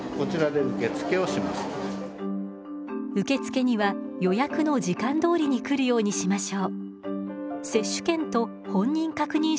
受付には予約の時間どおりに来るようにしましょう。